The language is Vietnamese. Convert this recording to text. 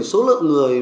số lượng người